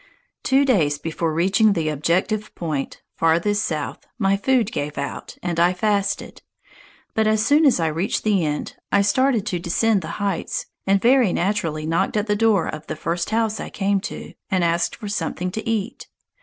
Two days before reaching the objective point, farthest south, my food gave out, and I fasted. But as soon as I reached the end, I started to descend the heights, and very naturally knocked at the door of the first house I came to, and asked for something to eat.